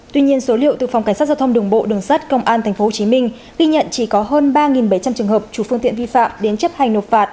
tuy nhiên số liệu từ phòng cảnh sát giao thông đường bộ đường sát công an tp hcm ghi nhận chỉ có hơn ba bảy trăm linh trường hợp chủ phương tiện vi phạm đến chấp hành nộp phạt